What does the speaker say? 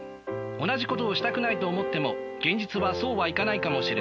同じことをしたくないと思っても現実はそうはいかないかもしれない。